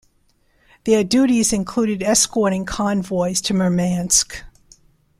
Their duties included escorting convoys to Murmansk.